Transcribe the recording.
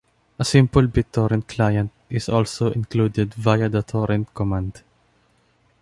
A simple BitTorrent client is also included via the "torrent" command.